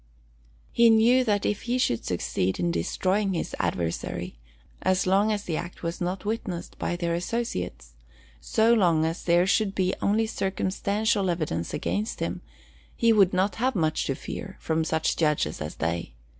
He knew that if he should succeed in destroying his adversary, so long as the act was not witnessed by their associates, so long as there should be only circumstantial evidence against him, he would not have much to fear from such judges as they.